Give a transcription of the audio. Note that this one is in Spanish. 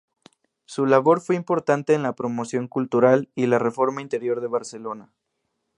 Su labor fue importante en la promoción cultural y la reforma interior de Barcelona.